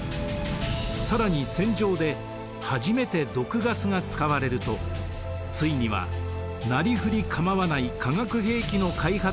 更に戦場で初めて毒ガスが使われるとついにはなりふり構わない化学兵器の開発